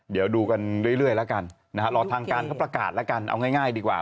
เดี๋ยวดูกันเรื่อยแล้วกันนะฮะรอทางการเขาประกาศแล้วกันเอาง่ายดีกว่า